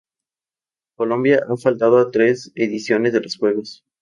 Colombia ha faltado a tres ediciones de los juegos.